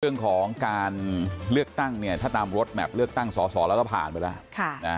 เรื่องของการเลือกตั้งเนี่ยถ้าตามรถแมพเลือกตั้งสอสอแล้วก็ผ่านไปแล้ว